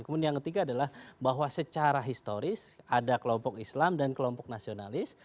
kemudian yang ketiga adalah bahwa secara historis ada kelompok islam dan kelompok nasionalis